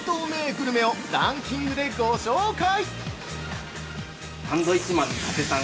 グルメをランキングでご紹介！